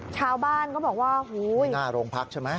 ชาวบ้านก็บอกว่าหน้าโรงพักใช่ไหม